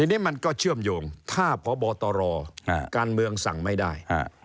ทีนี้มันก็เชื่อมโยงถ้าพบตรการเมืองสั่งไม่ได้